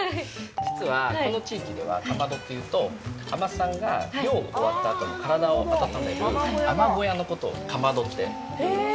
実は、この地域では「かまど」っていうと、海女さんが漁が終わったあとに身体を温める海女小屋のことを「かまど」って呼んでます。